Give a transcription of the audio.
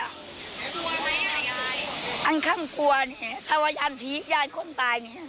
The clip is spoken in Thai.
กลัวไหมอ่ะยายอันค่ำกลัวเนี่ยถ้าว่ายันพีคยายคนตายเนี่ย